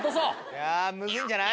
いやむずいんじゃない？